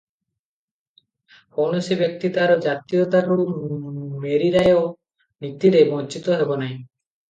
କୌଣସି ବ୍ଯକ୍ତି ତାର ଜାତୀୟତାରୁ ମେରୀରାୟ ନୀତିରେ ବଞ୍ଚିତ ହେବନାହିଁ ।